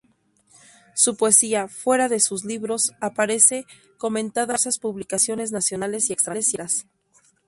Su poesía, fuera de sus libros, aparece comentada en numerosas publicaciones nacionales y extranjeras.